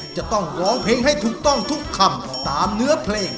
จะต้องร้องเพลงให้ถูกต้องทุกคำตามเนื้อเพลง